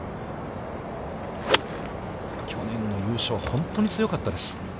去年の優勝、本当に強かったです。